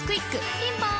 ピンポーン